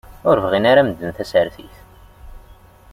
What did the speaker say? Ur bɣin ara medden tasertit.